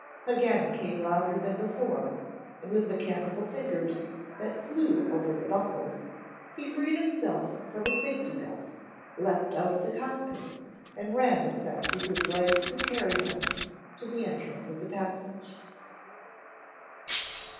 Again it came louder than before, and with mechanical fingers that flew over the buckles, he freed himself from his safety belt, leaped out of the cock pit, and ran as fast as his legs could carry him to the entrance of the passage.